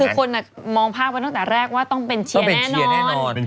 คนมองภาพไว้ตั้งแต่แรกว่าต้องเป็นเชียร์แน่นอน